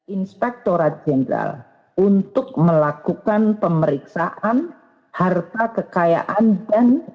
inspektorat jenderal untuk melakukan pemeriksaan harta kekayaan dan